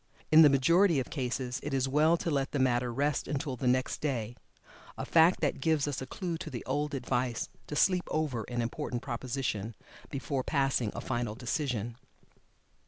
In the majority of cases it is well to let the matter rest until the next day a fact that gives us a clue to the old advice to "sleep over" an important proposition, before passing a final decision.